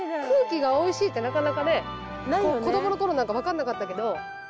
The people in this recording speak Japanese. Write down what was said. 空気がおいしいってなかなかね子供の頃なんか分かんなかったけど。